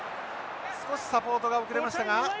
少しサポートが遅れましたが。